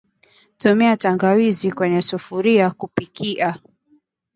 Tumia tangawizi kwenye sufuria kupikia